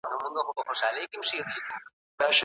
دوی وویل چي نړۍ بدلیږي.